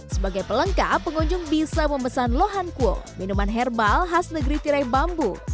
sebagai pelengkap pengunjung bisa memesan lohan kuo minuman herbal khas negeri tirai bambu